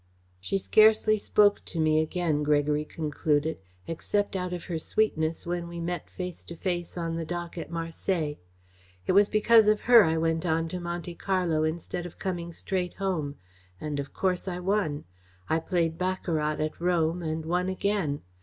"She scarcely spoke to me again," Gregory concluded, "except out of her sweetness when we met face to face on the dock at Marseilles. It was because of her I went on to Monte Carlo, instead of coming straight home, and of course I won. I played baccarat at Rome and won again.